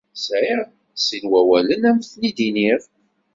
Sɛiɣ sin wawalen ad m-ten-id-iniɣ.